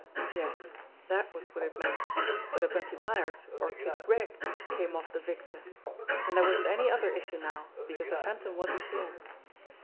Yes, that was what it meant, whether Bunty Myers or Kid Gregg came off the victor and there wasn't any other issue now because the Phantom wasn't here.